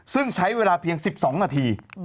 ซึ่งใช้เวลาเพียง๑๒นาที